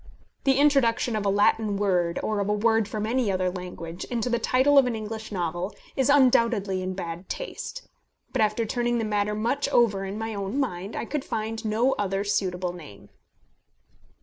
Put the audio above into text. The introduction of a Latin word, or of a word from any other language, into the title of an English novel is undoubtedly in bad taste; but after turning the matter much over in my own mind, I could find no other suitable name.